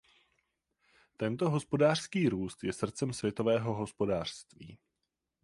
Tento hospodářský růst je srdcem světového hospodářství.